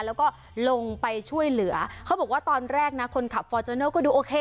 แล้วก็ลงไปช่วยเหลือเขาบอกว่าตอนแรกนะคนขับฟอร์จูเนอร์ก็ดูโอเค